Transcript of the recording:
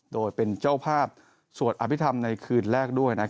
โดยเป็นเจ้าภาพสวดอภิษฐรรมในคืนแรกด้วย